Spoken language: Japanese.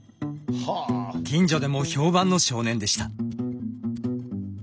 近所でも評判の少年でした。